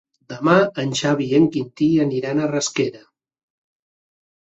Demà en Xavi i en Quintí aniran a Rasquera.